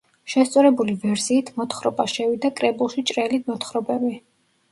შესწორებული ვერსიით მოთხრობა შევიდა კრებულში „ჭრელი მოთხრობები“.